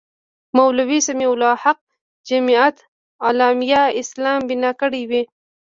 مولوي سمیع الحق جمیعت علمای اسلام بنا کړې وې.